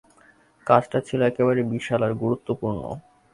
কাজটা ছিল একেবারে বিশাল আর গুরুত্বপূর্ণ।